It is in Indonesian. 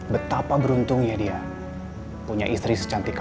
betapa beruntungnya dia punya istri secantik